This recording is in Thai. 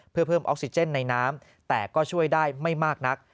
เพื่อเพิ่มออกซิเจนในน้ำแต่ก็ช่วยได้ไม่มากนัก